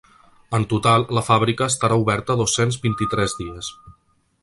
En total, la fàbrica estarà oberta dos-cents vint-i-tres dies.